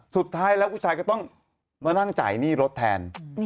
สุดท้ายแล้วผู้ชายก็ต้องมานั่งจ่ายหนี้รถแทน